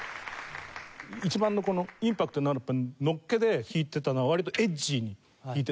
一番のこのインパクトのあるのっけで弾いてたのは割とエッジーに弾いて。